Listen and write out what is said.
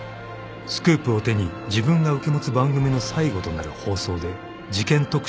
［スクープを手に自分が受け持つ番組の最後となる放送で事件特集を組もうとしたが］